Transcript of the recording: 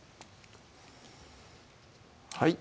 はい